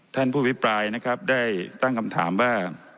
ท่านผู้พิปรายนะครับได้ตั้งคำถามว่า